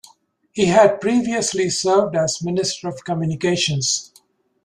He had previously served as Minister of Communications.